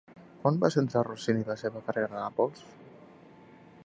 Quan va centrar Rossini la seva carrera a Nàpols?